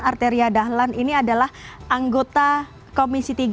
arteria dahlan ini adalah anggota komisi tiga